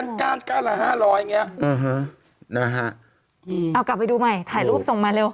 เอากลับไปดูใหม่ถ่ายรูปส่งมาเร็ว